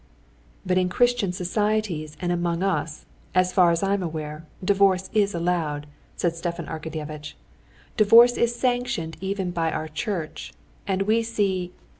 "But in Christian societies and among us, as far as I'm aware, divorce is allowed," said Stepan Arkadyevitch. "Divorce is sanctioned even by our church. And we see...."